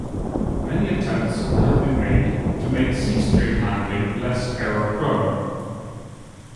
Many attempts have been made to make C string handling less error prone.